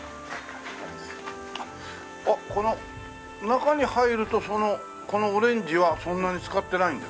あっこの中に入るとこのオレンジはそんなに使ってないんですね。